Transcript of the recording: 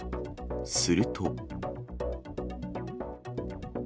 すると。